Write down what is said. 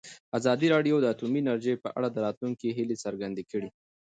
ازادي راډیو د اټومي انرژي په اړه د راتلونکي هیلې څرګندې کړې.